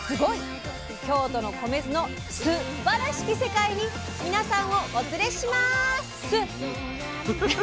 京都の米酢の「す」ばらしき世界に皆さんをお連れしまっ「す」！